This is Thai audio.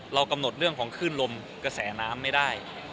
กำหนดเรื่องของคลื่นลมกระแสน้ำไม่ได้